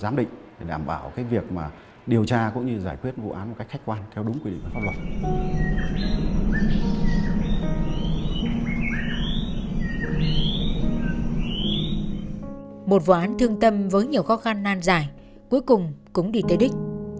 một vụ án thương tâm với nhiều khó khăn nan giải cuối cùng cũng đi tới đích